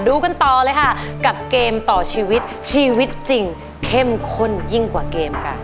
ดูกันต่อเลยค่ะกับเกมต่อชีวิตชีวิตจริงเข้มข้นยิ่งกว่าเกมค่ะ